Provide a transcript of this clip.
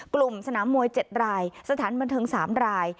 กลุ่มสนามมวย๗รายสถานบันเทิง๓ราย